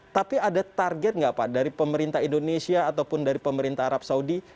tapi ada target nggak pak dari pemerintah indonesia ataupun dari pemerintah arab saudi